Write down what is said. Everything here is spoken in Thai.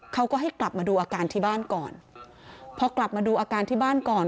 เขาก็ให้กลับมาดูอาการที่บ้านก่อน